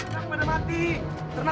kau jadi baik baik saja